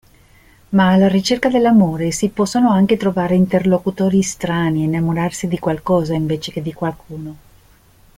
Ma, alla ricerca dell'amore, si possono anche trovare interlocutori strani e innamorarsi di qualcosa, invece che di qualcuno.